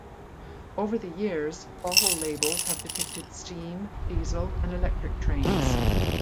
Over the years bottle labels have depicted steam, diesel and electric trains.